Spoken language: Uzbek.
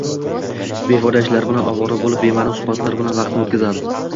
befoyda ishlar bilan ovora bo‘lib, bema’ni suhbatlar bilan vaqtini o‘tkazadi